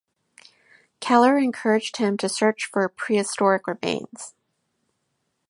Keller encouraged him to search for prehistoric remains.